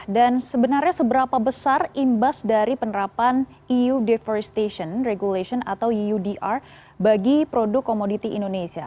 dan sebenarnya seberapa besar imbas dari penerapan eu deforestation regulation atau eudr bagi produk komoditi indonesia